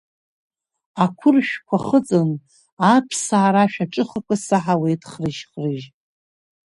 Ақәыршәқәа хыҵын, аԥсаа рашәа ҿыхақәа саҳауеит хрыжь-хрыжь.